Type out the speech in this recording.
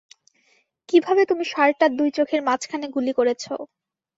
কিভাবে তুমি ষাড়টার দুই চোখের মাঝখানে গুলি করেছো।